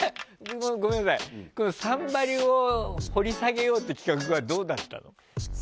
この「サンバリュ」を掘り下げようって企画はどうだったの？